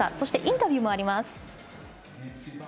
インタビューもあります。